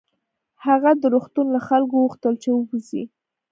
هغه د روغتون له خلکو وغوښتل چې ووځي